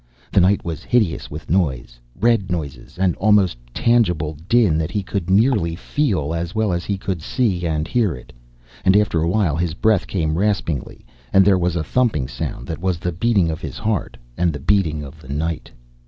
The night was hideous with noise. Red noises, an almost tangible din that he could nearly feel as well as he could see and hear it. And after a while his breath came raspingly, and there was a thumping sound that was the beating of his heart and the beating of the night.